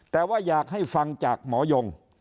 แต่ว่าอยากให้ฟังจากหมอยง